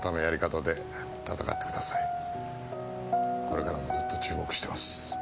これからもずっと注目してます。